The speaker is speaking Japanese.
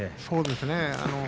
そうですね。